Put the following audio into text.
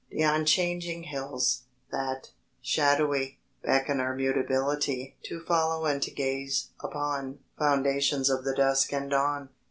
Th' unchanging hills, that, shadowy, Beckon our mutability To follow and to gaze upon Foundations of the dusk and dawn.